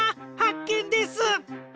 はっけんです！